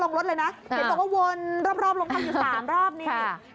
หลังรถเลยนะเดี๋ยวตก็วนรอบลงต่างอยู่๓รอบนี้